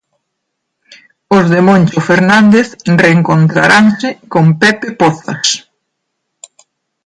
Os de Moncho Fernández reencontraranse con Pepe Pozas.